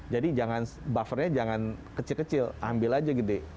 jadi jangan buffernya jangan kecil kecil ambil aja gede